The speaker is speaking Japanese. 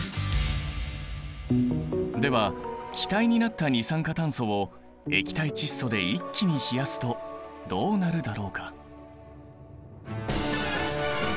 では気体になった二酸化炭素を液体窒素で一気に冷やすとどうなるだろうか？